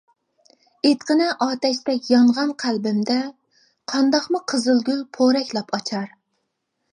ئېيتقىنە ئاتەشتەك يانغان قەلبىمدە، قانداقمۇ قىزىل گۈل پورەكلەپ ئاچار.